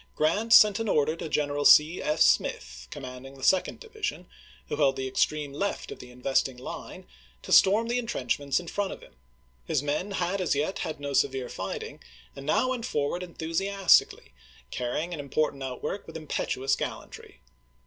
Grant sent an order to General C. F. Smith, com manding the second division, who held the extreme left of the investing line, to storm the intrench ments in front of him. His men had as yet had no severe fighting, and now went forward enthusias tically, carrying an important outwork with im petuous gallantry.